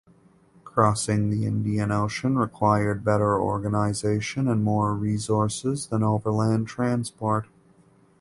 Crossing the Indian Ocean required better organisation and more resources than overland transport.